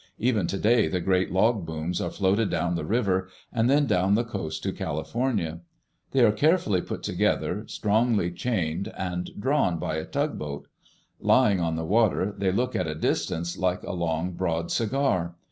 Even today the great log booms are floated down the river, and then down the coast to California. They are carefully put together, strongly chained, and drawn by a tugboat. Lying on the water, they look at a distance like a long, broad cigar.